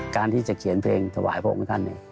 การที่จะเขียนเพลงถวายพระองค์ท่าน